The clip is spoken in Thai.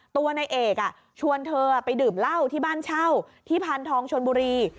ตัวนายเอกชวนเธอไปดื่มเหล้าที่บ้านเช่าที่พานทองชนบุรี